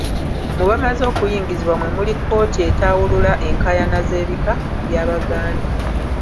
Mu bamaze okuyingizibwa mwe muli Kooti Etawulula Enkaayana z'Ebika By'Abaganda.